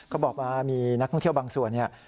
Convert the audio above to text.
เขาบอกว่ามีนักท่องเที่ยวบางส่วน